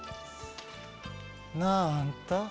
なぁあんた。